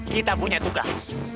kita punya tugas